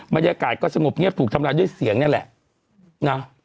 บรรยากาศก็สงบเงียบถูกทำลายด้วยเสียงนี่แหละนะ